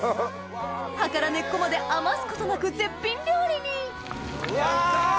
葉から根っこまで余すことなく絶品料理にうわ！